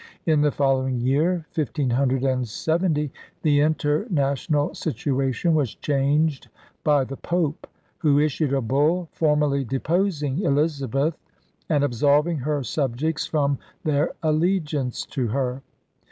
In the foUowing year (1570) the international situation was changed by the Pope, who issued a bull formally deposing Elizabeth and absolving her subjects from their allegiance to her.